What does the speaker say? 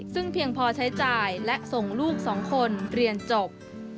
ซึ่งเพียงพอใช้จ่ายและส่งลูก๒คนเรียนจบ